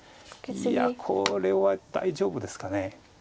いやこれは大丈夫ですか。